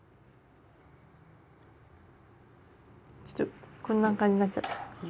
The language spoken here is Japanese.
ちょっとこんな感じなっちゃった。